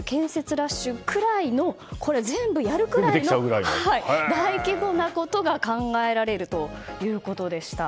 ラッシュを全部やるくらいの大規模なことが考えられるということでした。